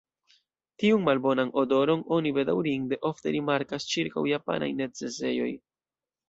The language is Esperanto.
Tiun malbonan odoron oni bedaŭrinde ofte rimarkas ĉirkaŭ japanaj necesejoj.